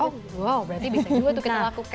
oh wow berarti bisa juga tuh kita lakukan